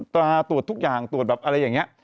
ตราตรวจทุกอย่างตรวจแบบอะไรอย่างนี้